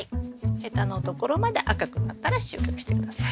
ヘタのところまで赤くなったら収穫して下さい。